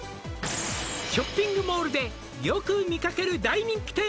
「ショッピングモールでよく見かける大人気店を」